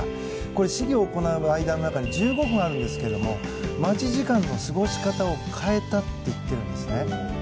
これ、試技を行う間の中に１５分あるんですが待ち時間の過ごし方を変えたと言ってるんですね。